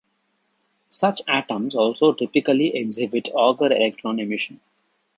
Such atoms also typically exhibit Auger electron emission.